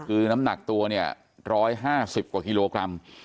คือน้ำหนักตัวเนี่ย๑๕๐กว่ากิโลกรัม